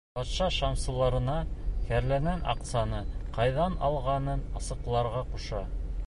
Батша шымсыларына кәрләнең аҡсаны ҡайҙан алғанын асыҡларға ҡуша.